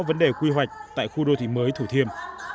vấn đề quy hoạch tại khu đô thị mới thủ thiêm